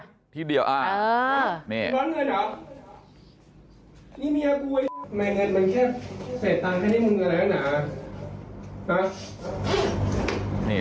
คลิปที่เดี่ยวเอ้อเนี่ย